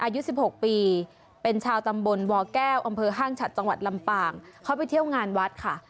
อายุ๑๖ปีเป็นชาวตำบลวแก้วอำเภอห้างฉัดจังหวัดลำปางเขาไปเที่ยวงานวัดค่ะ